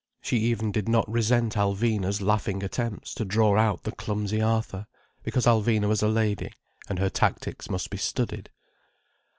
She even did not resent Alvina's laughing attempts to draw out the clumsy Arthur: because Alvina was a lady, and her tactics must be studied.